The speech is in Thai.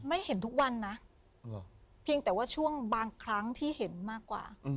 เห็นทุกวันนะเพียงแต่ว่าช่วงบางครั้งที่เห็นมากกว่า